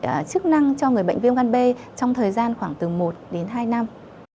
và chức năng cho người bệnh viêm gan b trong thời gian khoảng từ một đến hai năm